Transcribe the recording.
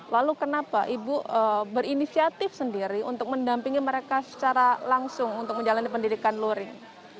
lalu kenapa ibu berinisiatif sendiri untuk mendampingi mereka secara langsung untuk menjalani pendidikan luring